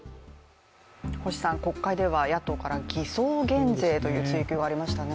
国会では野党から偽装減税という追及がありましたね。